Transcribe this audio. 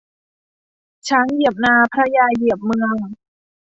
ช้างเหยียบนาพระยาเหยียบเมือง